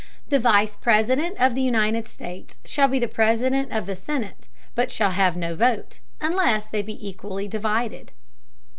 The Vice President of the United States shall be President of the Senate, but shall have no Vote, unless they be equally divided.